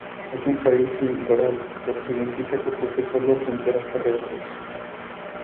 Es un país sin litoral, lo que significa que posee solo fronteras terrestres.